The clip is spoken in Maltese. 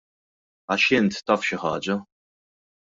Għax int taf xi ħaġa.